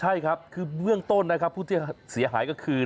ใช่ครับคือเบื้องต้นนะครับผู้ที่เสียหายก็คือ